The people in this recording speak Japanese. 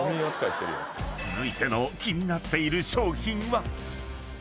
［続いての気になっている商品は］